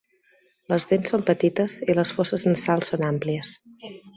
Les dents són petites i les fosses nasals són àmplies.